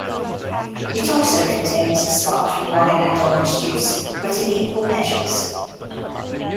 It also contains sparkling wine and orange juice, but in equal measures.